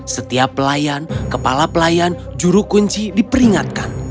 setiap pelayan kepala pelayan juru kunci diperingatkan